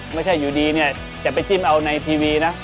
ไม่ใช่อยู่ดีเนี่ยจะไปจิ้มเอาในทีวีนะ